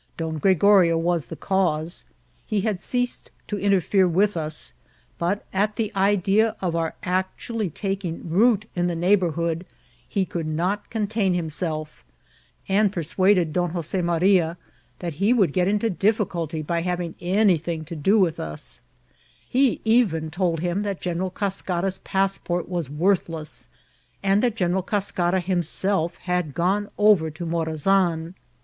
Don Gregorio was the cause. He had ceased to interfere with us, but at the idea of our actually taking root in the neighbourhood he could not contain himself^ and persuaded Don Jose Maria that he would get into difficulty by having anything to do with us ; he even told him that General Cascara's passport was worth less, and that General Cascara himself had gone over to Morazan.